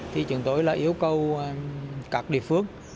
thì chúng tôi là yêu cầu các địa phương